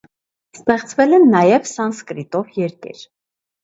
Ստեղծվել են նաև սանսկրիտով երկեր։